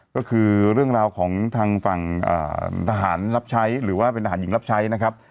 ก็คือเรื่องราวของทางฝั่งทหารรับใช้หรือว่าเป็นทหารหญิงรับใช้นะครับ